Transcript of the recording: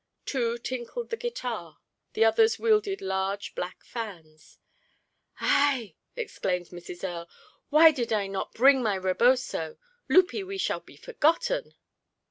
Two tinkled the guitar. The others wielded large black fans. "Ay!" exclaimed Mrs. Earle. "Why did I not bring my reboso? 'Lupie, we shall be forgotten."